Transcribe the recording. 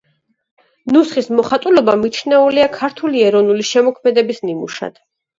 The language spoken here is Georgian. ნუსხის მოხატულობა მიჩნეულია ქართული ეროვნული შემოქმედების ნიმუშად.